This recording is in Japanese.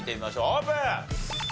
オープン！